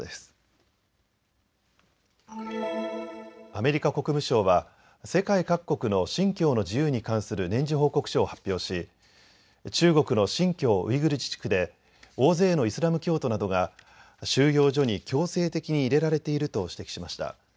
アメリカ国務省は世界各国の信教の自由に関する年次報告書を発表し中国の新疆ウイグル自治区で大勢のイスラム教徒などが収容所に強制的に入れられていると指摘しました。